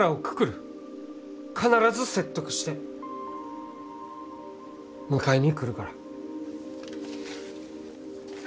必ず説得して迎えに来るから。